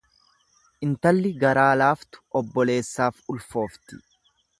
Intalli garaa laaftu obboleessaaf ulfoofti.